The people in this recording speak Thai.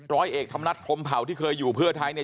ร้อยเอกธรรมนัฐพรมเผาที่เคยอยู่เพื่อไทยเนี่ย